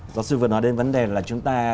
giáo sư vừa nói đến vấn đề là chúng ta